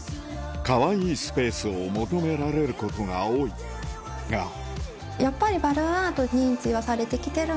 かわいいスペースを求められることが多いがやっぱり。